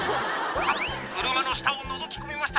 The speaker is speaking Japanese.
「あっ車の下をのぞき込みました」